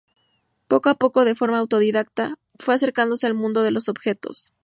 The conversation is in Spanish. Poco a poco de forma autodidacta fue acercándose al mundo de los objetos.